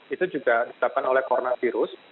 itu juga disebabkan oleh coronavirus